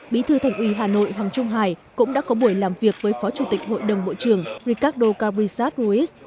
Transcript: bí thư thành ủy hà nội hoàng trung hải cũng đã có buổi làm việc với phó chủ tịch hội đồng bộ trưởng ricado karisat ruiz